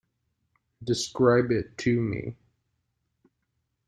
Describe it to me.